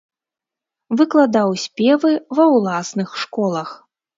Выкладаў спевы ва ўласных школах.